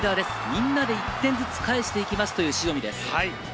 みんなで１点ずつ返していきますという塩見です。